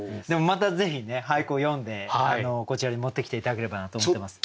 またぜひね俳句を詠んでこちらに持ってきて頂ければなと思ってます。